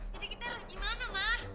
jadi kita harus gimana